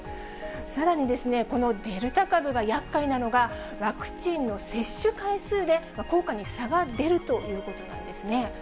さらにこのデルタ株がやっかいなのが、ワクチンの接種回数で効果に差が出るということなんですね。